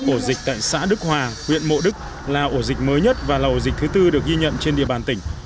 ổ dịch tại xã đức hòa huyện mộ đức là ổ dịch mới nhất và là ổ dịch thứ tư được ghi nhận trên địa bàn tỉnh